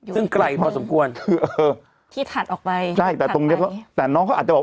ซึ่งไกลพอสมควรคือเออที่ถัดออกไปใช่แต่ตรงเนี้ยแต่น้องเขาอาจจะบอก